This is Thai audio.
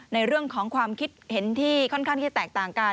ในเรื่องของความคิดเห็นที่ค่อนข้างที่จะแตกต่างกัน